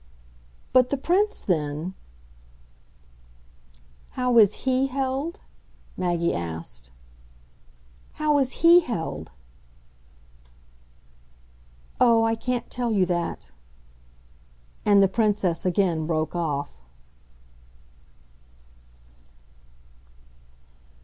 "But the Prince then ?" "How is HE held?" Maggie asked. "How is HE held?" "Oh, I can't tell you that!" And the Princess again broke off.